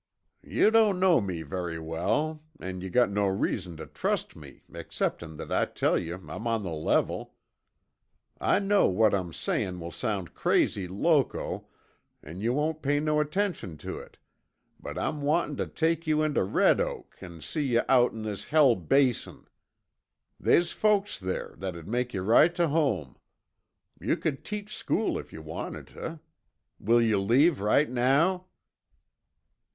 "Yuh don't know me very well, an' yuh got no reason tuh trust me exceptin' that I tell yuh I'm on the level. I know what I'm sayin' will sound crazy loco an' yuh won't pay no attention tuh it, but I'm wantin' tuh take you intuh Red Oak an' see yuh outen this Hell Basin. They's folks there that'd make yuh right tuh home. You c'd teach school if yuh wanted tuh. Will you leave right now?"